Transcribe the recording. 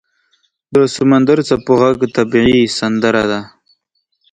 • د سمندر څپو ږغ طبیعي سندره ده.